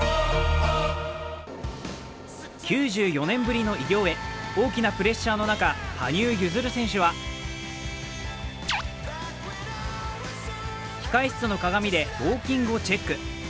９４年ぶりの偉業へ、大きなプレッシャーの中、羽生結弦選手は控え室の鏡でウオーキングをチェック。